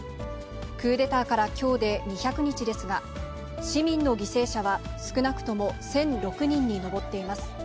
クーデターからきょうで２００日ですが、市民の犠牲者は少なくとも１００６人に上っています。